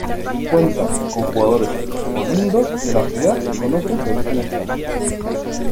Cuenta con jugadores oriundos de la ciudad y con otros de origen extranjero.